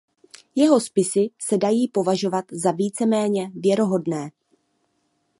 Jeho spisy se dají považovat za víceméně věrohodné.